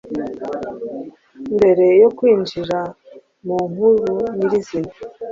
Mbere yo kwinjira mu nkuru nyir’izina